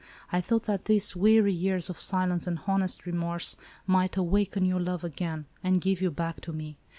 I thought that these weary years of silence and honest remorse might awa ken your love again, and give you back to me.